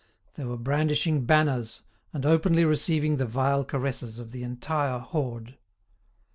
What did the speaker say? They were brandishing banners, and openly receiving the vile caresses of the entire horde."